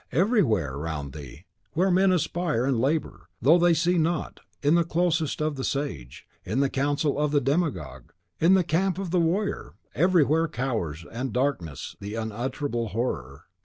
Everywhere around thee where men aspire and labour, though they see it not, in the closet of the sage, in the council of the demagogue, in the camp of the warrior, everywhere cowers and darkens the Unutterable Horror.